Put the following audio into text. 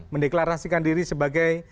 mendeklarasikan diri sebagai